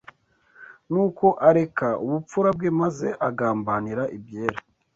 Nuko areka ubupfura bwe maze agambanira ibyera